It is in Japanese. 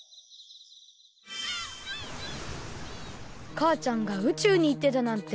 かあちゃんが宇宙にいってたなんて。